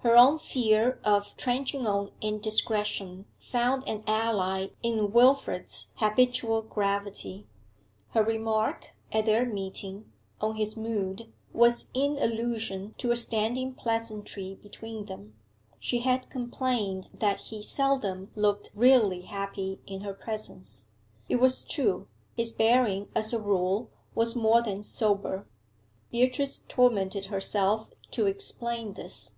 Her own fear of trenching on indiscretion found an ally in Wilfrid's habitual gravity; her remark, at their meeting, on his mood was in allusion to a standing pleasantry between them; she had complained that he seldom looked really happy in her presence. It was true; his bearing as a rule was more than sober. Beatrice tormented herself to explain this.